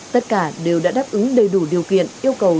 tất cả đều đã đáp ứng đầy đủ điều kiện yêu cầu